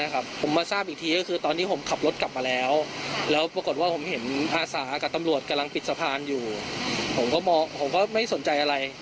กับตำรวจกำลังปิดสะพานอยู่ผมก็ไม่สนใจอะไร